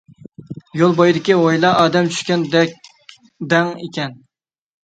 يول بويىدىكى ھويلا ئادەم چۈشكەن دەڭ ئىكەن.